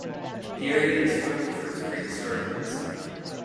The area is famed for its prehistoric legacy.